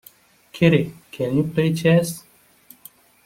Kitty, can you play chess?